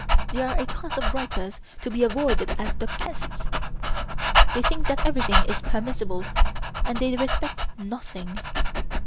They are a class of writers to be avoided as the pest. They think that everything is permissible and they respect nothing.